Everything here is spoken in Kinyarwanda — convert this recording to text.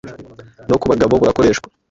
no ku bagabo burakoreshwa